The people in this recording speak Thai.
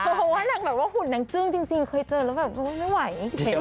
เพราะว่านางแบบว่าหุ่นนางจึ้งจริงเคยเจอแล้วแบบไม่ไหว